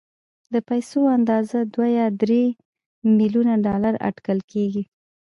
د پيسو اندازه دوه يا درې ميليونه ډالر اټکل کېږي.